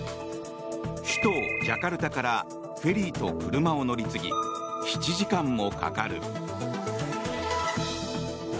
首都ジャカルタからフェリーと車を乗り継ぎ７時間もかかる。